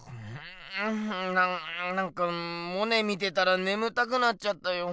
なんかモネ見てたらねむたくなっちゃったよ。